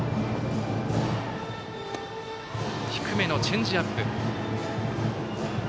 低めのチェンジアップ。